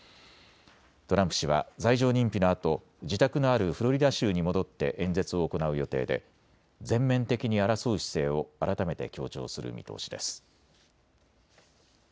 トランプ氏は罪状認否のあと自宅のあるフロリダ州に戻って演説を行う予定で全面的に争う姿勢を改めて強調する見通しです。